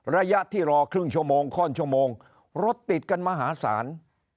ระยะที่รอครึ่งชั่วโมงข้อนชั่วโมงรถติดกันมหาศาล